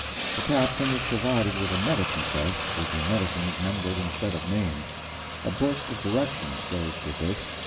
The captain is provided with a medicine chest, with the medicines numbered instead of named. A book of directions goes with this.